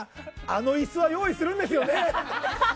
あの椅子は用意するんですよね？